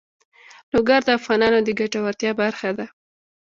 لوگر د افغانانو د ګټورتیا برخه ده.